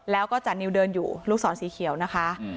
แล้วก็จานิวเดินอยู่ลูกศรสีเขียวนะคะ